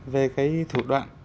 về cái thủ đoạn